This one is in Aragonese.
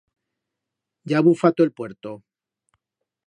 Ya ha bufato el puerto.